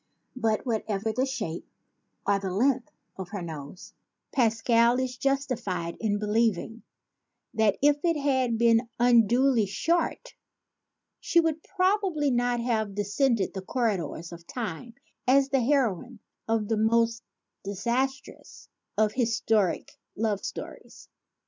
But whatever the shape or the length of her nose, Pascal is justified in believing that if it had been unduly short she would prob ably not have descended the corridors of time as the heroine of the most disastrous of historic love stories.